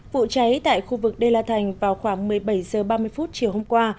vụ cháy tại khu vực đê la thành vào khoảng một mươi bảy h ba mươi chiều hôm qua